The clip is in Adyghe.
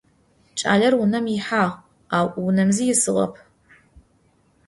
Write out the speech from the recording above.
Ç'aler vunem yihağ, au vunem zi yisığep.